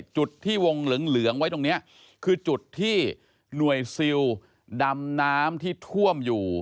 จุดที่วงเหลืองไว้ตรงนี้คือจุดที่หน่วยซิลดำน้ำที่ท่วมอยู่